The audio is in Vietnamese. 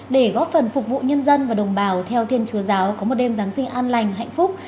để góp phần phục vụ nhân dân và đồng bào theo thiên chúa giáo có một đêm giáng sinh an lành hạnh phúc